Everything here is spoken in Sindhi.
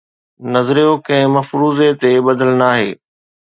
نظريو ڪنهن مفروضي تي ٻڌل ناهي